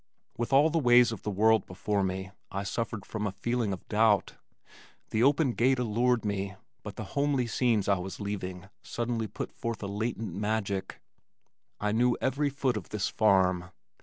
With all the ways of the world before me I suffered from a feeling of doubt. The open gate allured me, but the homely scenes I was leaving suddenly put forth a latent magic. I knew every foot of this farm.